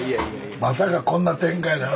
まさかこんな展開になる。